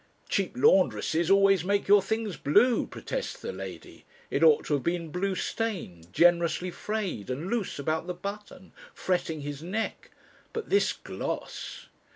"Cheap laundresses always make your things blue," protests the lady. "It ought to have been blue stained, generously frayed, and loose about the button, fretting his neck. But this gloss